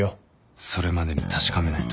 それまでに確かめないと